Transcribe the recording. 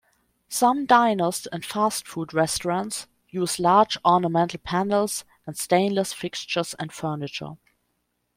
Some diners and fast-food restaurants use large ornamental panels and stainless fixtures and furniture.